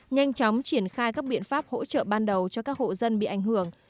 nhanh chóng triển khai các biện pháp hỗ trợ ban đầu cho các hộ dân bị ảnh hưởng